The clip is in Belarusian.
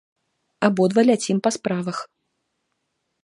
Абодва ляцім па справах.